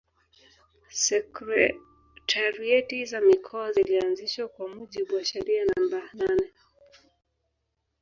Sekretarieti za Mikoa zilianzishwa kwa mujibu wa sheria namba nane